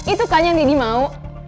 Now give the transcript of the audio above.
itu kan yang deddy mau